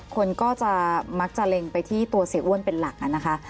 คนก็จะมักจะเล็งไปที่ตัวเสียอ้วนเป็นหลักนะคะ